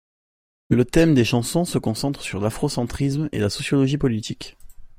Le thème des chansons se concentre sur l'afrocentrisme et la sociologie politique.